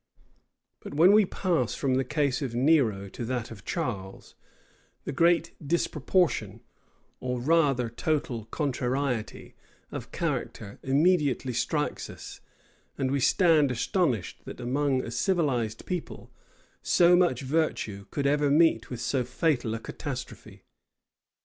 But when we pass from the case of Nero to that of Charles, the great disproportion, or rather total contrariety, of character immediately strikes us; and we stand astonished, that, among a civilized people, so much virtue could ever meet with so fatal a catastrophe.